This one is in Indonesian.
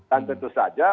dan tentu saja